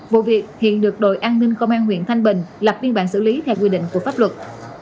vụ việc hiện được đội an ninh công an huyện thanh bình lập biên bản xử lý theo quy định của pháp luật